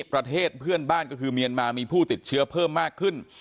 ประเทศเพื่อนบ้านก็คือเมียนมามีผู้ติดเชื้อเพิ่มมากขึ้น